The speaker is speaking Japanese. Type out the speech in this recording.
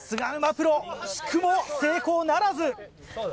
プロ惜しくも成功ならず。